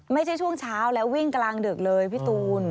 ไม่ใช่ช่วงเช้าแล้ววิ่งกลางดึกเลยพี่ตูน